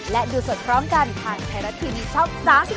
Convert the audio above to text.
และดูสดพร้อมกันทางไทยรัฐทีวีช่อง๓๒